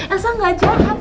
elsa gak jahat